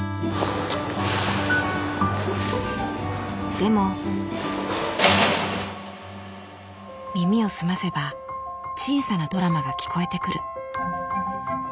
でも耳を澄ませば小さなドラマが聞こえてくる。